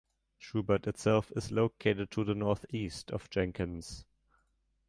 Schubert itself is located to the northeast of Jenkins.